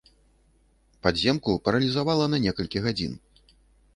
Падземку паралізавала на некалькі гадзін.